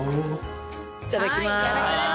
いただきます。